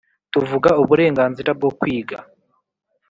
tuvuga uburenganzira bwo kwiga